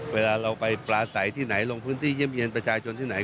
เวลาเราไปปลาใสที่ไหนลงพื้นที่เยี่ยมเยี่ยนประชาชนที่ไหน